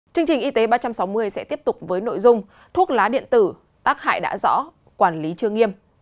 chương trình y tế ba trăm sáu mươi sẽ tiếp tục với nội dung thuốc lá điện tử tác hại đã rõ quản lý chưa nghiêm